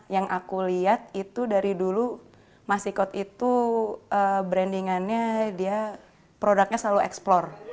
yang aku lihat itu dari dulu masikot itu brandingannya dia produknya selalu eksplor